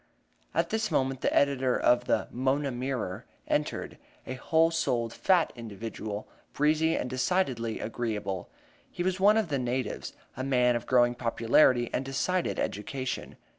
At this moment the editor of the "Mona Mirror" entered a whole souled, fat individual, breezy and decidedly agreeable. He was one of the natives, a man of growing popularity and decided education.